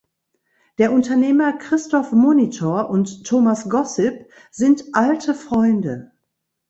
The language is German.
Der Unternehmer Christoph Monitor und Thomas Gossip sind alte Freunde.